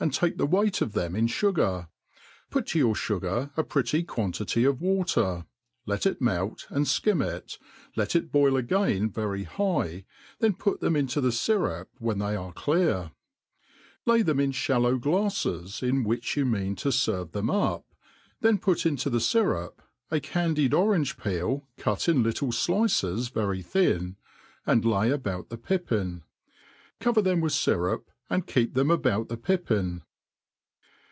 ake t^t weight of them in fugar, put to your fur gar a pretty quantity cf water^ let it melt, and (kirn it, let it boil again very high, then put them into the fyrup when they are clear ; lay them in (hallow glafies, in which you mean tq fcrve .them up ; then put into the fyrup a candied orange peel cut in little flices very thin, and lay about the pippin ; cover them with fyrup, apd keep them about the pipjiin.